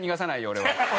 俺は。